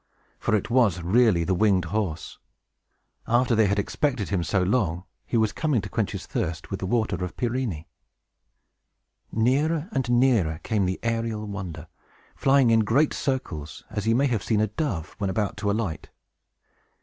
For it was really the winged horse. After they had expected him so long, he was coming to quench his thirst with the water of Pirene. Nearer and nearer came the aerial wonder, flying in great circles, as you may have seen a dove when about to alight.